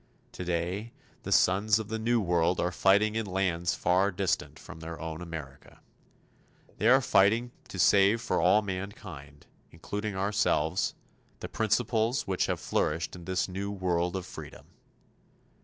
Today, the sons of the New World are fighting in lands far distant from their own America. They are fighting to save for all mankind, including ourselves, the principles which have flourished in this new world of freedom.